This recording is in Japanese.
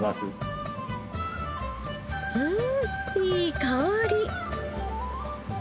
うんいい香り！